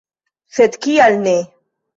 Sed kial ne?